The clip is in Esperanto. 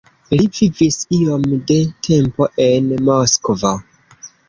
Li vivis iom de tempo en Moskvo.